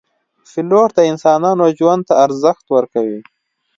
پیلوټ د انسانانو ژوند ته ارزښت ورکوي.